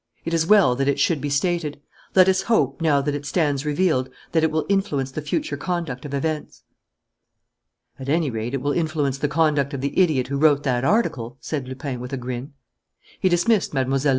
It is well that it should be stated. Let us hope, now that it stands revealed, that it will influence the future conduct of events." "At any rate, it will influence the conduct of the idiot who wrote that article," said Lupin, with a grin. He dismissed Mlle.